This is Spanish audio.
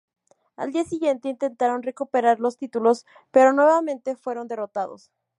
Al día siguiente intentaron recuperar los títulos pero nuevamente fueron derrotados.